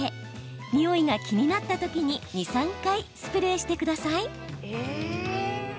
ニオイが気になったときに２、３回スプレーしてください。